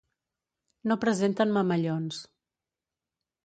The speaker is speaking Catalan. No presenten mamellons.